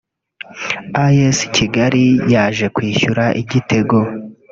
As Kigali yaje kwishyura igitego